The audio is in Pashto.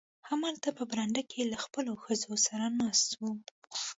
همدلته په برنډه کې له خپلو ښځو سره ناست و.